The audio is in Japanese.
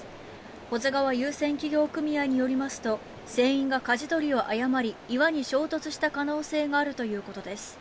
保津川遊船企業組合によりますと船員が、かじ取りを誤り岩に衝突した可能性があるということです。